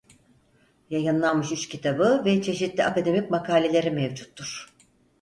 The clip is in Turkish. Yayınlanmış üç kitabı ve çeşitli akademik makaleleri mevcuttur.